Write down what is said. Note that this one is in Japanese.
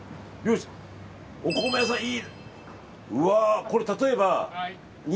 お米屋さん、いい。